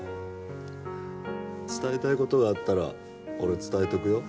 伝えたい事があったら俺伝えておくよ。